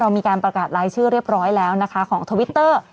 มีการประกาศรายชื่อเรียบร้อยแล้วนะคะของทวิตเตอร์